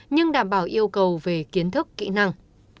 nhưng đảm bảo yêu cầu về kiến thức kỹ năng